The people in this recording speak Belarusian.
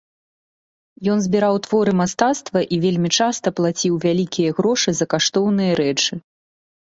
Ён збіраў творы мастацтва і вельмі часта плаціў вялікія грошы за каштоўныя рэчы.